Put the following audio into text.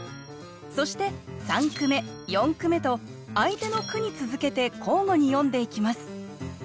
そして三句目四句目と相手の句に続けて交互に詠んでいきます。